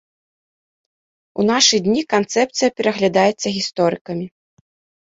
У нашы дні канцэпцыя пераглядаецца гісторыкамі.